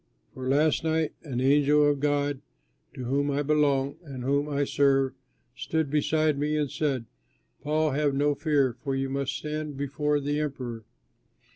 For last night, an angel of the God, to whom I belong and whom I serve, stood beside me and said, 'Paul, have no fear, for you must stand before the Emperor.